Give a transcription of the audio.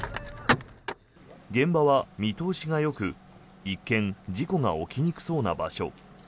現場は見通しがよく一見事故が起きにくそうな場所。